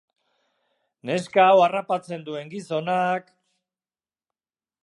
Neska hau harrapatzen duen gizonak...